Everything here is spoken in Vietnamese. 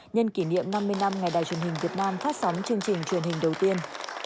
nhân kỷ niệm năm mươi năm ngày đài truyền hình việt nam phát sóng chương trình truyền hình đầu tiên